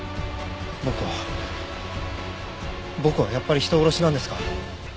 僕は僕はやっぱり人殺しなんですか？